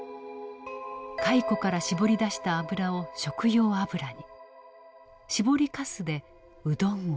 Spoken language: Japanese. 蚕から搾り出した油を食用油に搾りかすでうどんを。